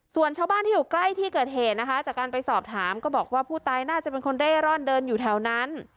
ส่วนชาวบ้านที่อยู่ใกล้ที่เกิดเหตุนะคะจากการไปสอบถามก็บอกว่าผู้ตายน่าจะเป็นคนเร่ร่อนเดินอยู่แถวนั้น